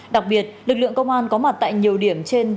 đặc biệt lực lượng công an có mặt tại nhiều điểm trên